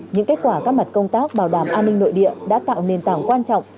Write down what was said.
những kết quả các mặt công tác bảo đảm an ninh nội địa đã tạo nền tảng quan trọng